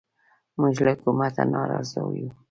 موږ له حکومته نارازه یو